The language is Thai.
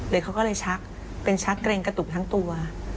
เขาก็เลยชักเป็นชักเกรงกระตุกทั้งตัว